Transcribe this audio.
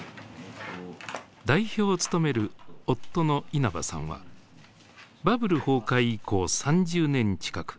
代表を務める夫の稲葉さんはバブル崩壊以降３０年近く